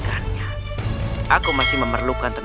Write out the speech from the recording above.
kami akan menaklukan mereka